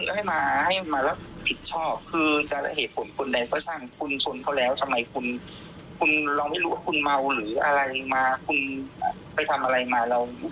ตายคุณคิดว่าเรื่องมากจะใหญ่ขนาดไหนแล้วโชคตัดตามผมอยู่